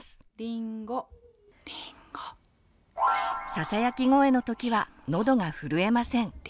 ささやき声のときはのどが震えません。